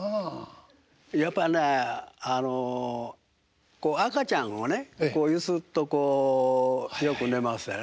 やっぱりねあの赤ちゃんをね揺すっとこうよく寝ますよね。